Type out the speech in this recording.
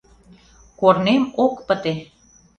Корнем ок пыте.